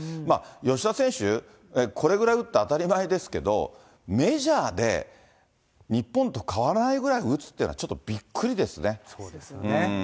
吉田選手、これぐらい打って当たり前ですけど、メジャーで、日本と変わらないぐらい打つっていうそうですよね。